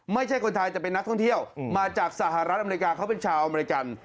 ไม่ใช่คนไทยแต่เป็นนักท่องเที่ยวมาจากสหรัฐอเมริกาเขาเป็นชาวอเมริกัน